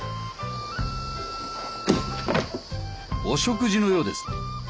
お食事のようです。